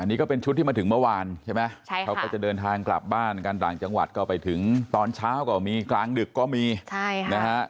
นี่ก็เป็นชุดที่มาถึงเมื่อวานใช่ไหมเขาก็จะเดินทางกลับบ้านกันต่างจังหวัดก็ไปถึงตอนเช้าก็มีกลางดึกก็มีใช่ค่ะนะฮะ